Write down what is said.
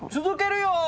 続けるよ！